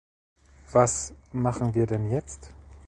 Was machen wir denn jetzt?